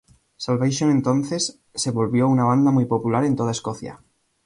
Salvation entonces, se volvió una banda muy popular en toda Escocia.